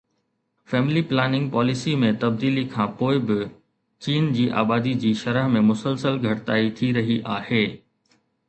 family planning policy ۾ تبديلي کان پوءِ به چين جي آبادي جي شرح ۾ مسلسل گهٽتائي ٿي رهي آهي